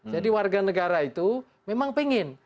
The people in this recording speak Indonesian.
jadi warga negara itu memang pengen